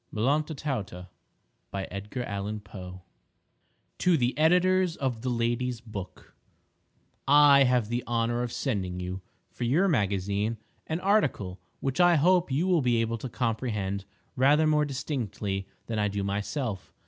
] MELLONTA TAUTA TO THE EDITORS OF THE LADY'S BOOK: I have the honor of sending you, for your magazine, an article which I hope you will be able to comprehend rather more distinctly than I do myself.